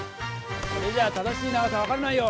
それじゃあ正しい長さは分かんないよ！